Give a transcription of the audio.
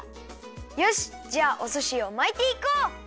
よしっじゃあおすしをまいていこう！